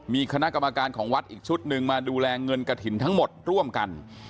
มีคณะกรรมการของวัดอีกชุดหนึ่งมาดูแลเงินกระถิ่นทั้งหมดร่วมกัน